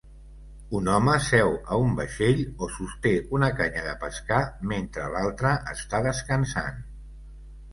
Un home seu a un vaixell o sosté una canya de pescar mentre l"altre està descansant.